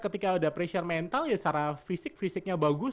ketika ada pressure mental ya secara fisik fisiknya bagus